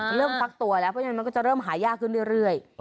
เริ่มฟักตัวแล้วเพราะฉะนั้นมันก็จะเริ่มหายากขึ้นเรื่อย